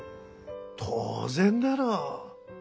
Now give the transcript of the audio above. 当然だろ。